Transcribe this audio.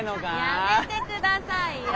やめて下さいよ。